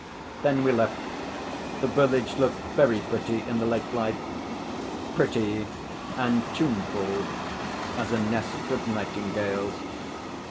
Then we left. The village looked very pretty in the late light pretty and tuneful as a nest of nightingales.